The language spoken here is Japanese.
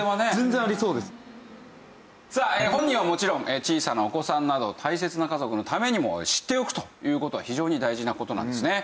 さあ本人はもちろん小さなお子さんなど大切な家族のためにも知っておくという事は非常に大事な事なんですね。